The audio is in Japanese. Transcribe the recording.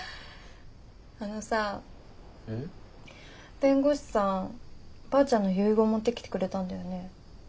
弁護士さんばあちゃんの遺言持ってきてくれたんだよね？